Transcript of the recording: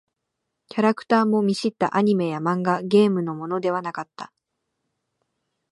キャラクターも見知ったアニメや漫画、ゲームのものではなかった。